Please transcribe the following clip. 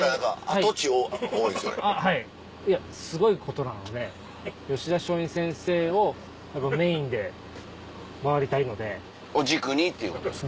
あっはいいやすごいことなので吉田松陰先生をメインで回りたいので。を軸にっていうことですね。